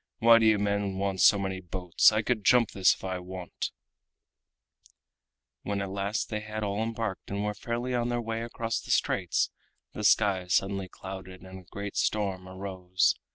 Why do you men want so many boats? I could jump this if I would." When at last they had all embarked and were fairly on their way across the straits, the sky suddenly clouded and a great storm arose.